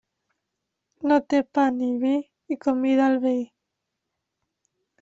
No té pa ni vi, i convida al veí.